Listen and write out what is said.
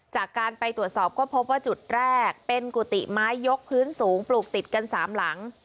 จากการไปตรวจสอบก็พบว่าจุดแรกเป็นกุฏิไม้ยกพื้นสูงปลูกติดกันสามหลัง